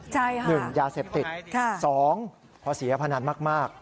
ใช่ค่ะนี่พอไงสิค่ะสองพอเสียพนันมาก